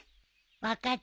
分かった！